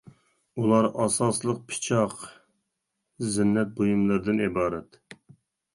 ئۇلار ئاساسلىق پىچاق، زىننەت بۇيۇملىرىدىن ئىبارەت.